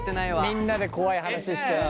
みんなで怖い話して。